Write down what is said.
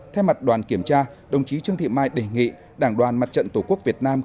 theo mặt đoàn kiểm tra đồng chí trương thị mai đề nghị đảng đoàn mặt trận tổ quốc việt nam